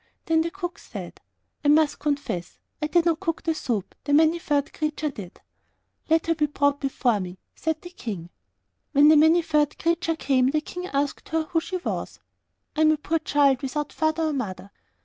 Then the cook said, 'I must confess; I did not cook the soup; the Many furred Creature did.' 'Let her be brought before me,' said the King. When the Many furred Creature came, the King asked her who she was. 'I am a poor child without father or mother.